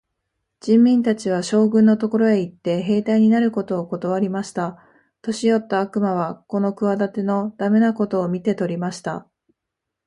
人民たちは、将軍のところへ行って、兵隊になることをことわりました。年よった悪魔はこの企ての駄目なことを見て取りました。